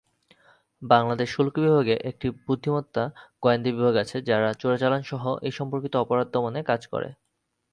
বাংলাদেশ শুল্ক বিভাগে একটি বুদ্ধিমত্তা গোয়েন্দা বিভাগ আছে যারা চোরাচালান সহ এই সম্পর্কিত অপরাধ দমনে কাজ করে।